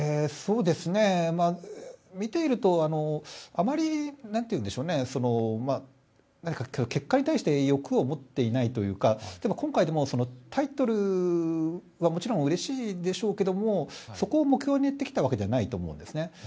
見ているとあまり結果に対して欲を持っていないというか例えば、今回でもタイトルはもちろんうれしいんでしょうけどそこを目標にやってきたわけではないと思うんですね。